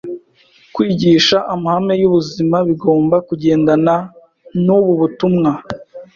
Kwigisha amahame y’ubuzima bigomba kugendana n’ubu butumwa